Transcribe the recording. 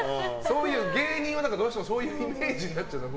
芸人は、どうしても、そういうイメージになっちゃうんから。